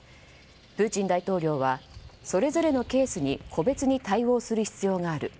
プーチン大統領はそれぞれのケースに個別に対応する必要がある。